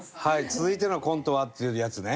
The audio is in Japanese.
「続いてのコントは」っていうやつね。